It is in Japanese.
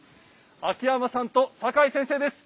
秋山さんと坂井先生です。